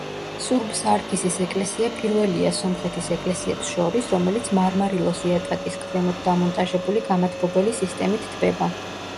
სურბ-სარქისის ეკლესია პირველია სომხეთის ეკლესიებს შორის, რომელიც მარმარილოს იატაკის ქვემოთ დამონტაჟებული გამათბობელი სისტემით თბება.